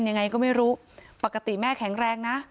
ยังไงก็ไม่รู้ปกติแม่แข็งแรงนะ